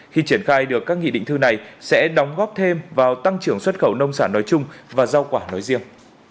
khi triển khai được các nghị định thư này sẽ đóng góp thêm vào tăng trưởng xuất khẩu nông sản nói chung và rau quả nói riêng